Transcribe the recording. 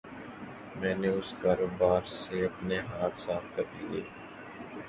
میں نے اس کاروبار سے اپنے ہاتھ صاف کر لیئے ہے۔